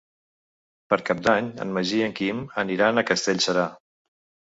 Per Cap d'Any en Magí i en Quim aniran a Castellserà.